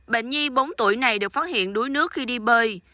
bệnh nhi bốn tuổi này được phát hiện đuối nước khi đi bơi